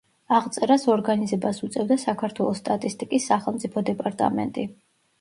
აღწერას ორგანიზებას უწევდა საქართველოს სტატისტიკის სახელმწიფო დეპარტამენტი.